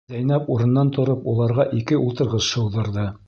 Зәйнәп урынынан тороп, уларға ике ултырғыс шыуҙырҙы.